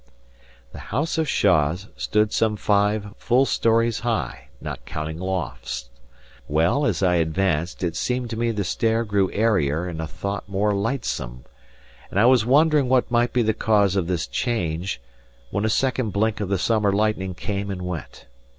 The house of Shaws stood some five full storeys high, not counting lofts. Well, as I advanced, it seemed to me the stair grew airier and a thought more lightsome; and I was wondering what might be the cause of this change, when a second blink of the summer lightning came and went.